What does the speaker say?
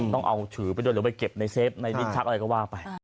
ต้องเอาถือไปด้วยหรือไปเก็บในเฟฟในลิ้นชักอะไรก็ว่าไป